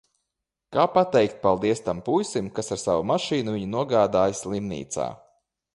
Kā pateikt paldies tam puisim, kas ar savu mašīnu viņu nogādāja slimnīcā...